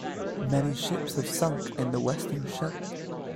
Many ships have sunk in the Western Scheldt.